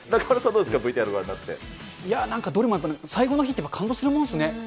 どうですか、ＶＴＲいや、なんかどれもやっぱり最後の日って感動するもんですね。